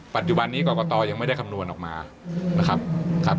ปัจจุบันนี้กรกตยังไม่ได้คำนวณออกมานะครับครับ